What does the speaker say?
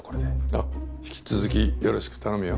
ああ引き続きよろしく頼むよ。